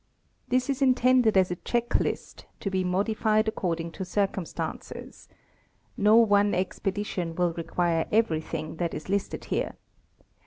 This is intended as a check list, to be modified according to circumstances. No one expedition will require every thing that is listed here.